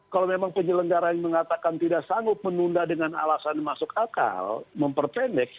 kalau memang penyelenggaraan mengatakan tidak sanggup menunda dengan alasan masuk akal memperpendek